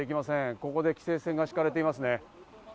ここで規制線が敷かれていますね。